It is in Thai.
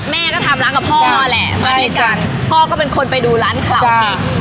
แม่ก็ทำร้านกับพ่อแหละใช่จ้ะพ่อก็เป็นคนไปดูร้านคาราโอเคจ้ะ